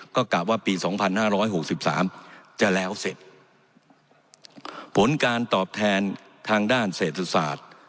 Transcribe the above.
ก็กลับว่าปีสองพันห้าร้อยหกสิบสามจะแล้วเสร็จผลการตอบแทนทางด้านเศรษฐศาสตร์